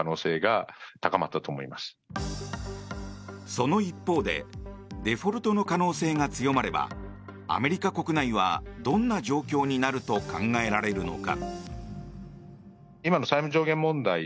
その一方でデフォルトの可能性が強まればアメリカ国内はどんな状況になると考えられるのか。